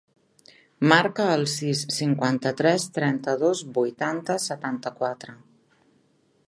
Marca el sis, cinquanta-tres, trenta-dos, vuitanta, setanta-quatre.